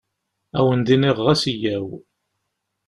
Ad wen-d-iniɣ ɣas yyaw.